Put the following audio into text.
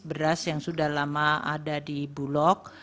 beras yang sudah lama ada di bulog